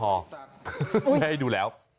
ได้ให้ดูแล้ว